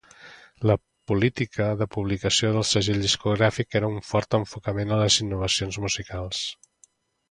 La política de publicació del segell discogràfic era un fort enfocament en les innovacions musicals.